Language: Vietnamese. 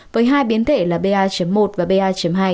với hai biến thể là ba một và ba hai